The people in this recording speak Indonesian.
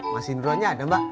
mas indronnya ada mbak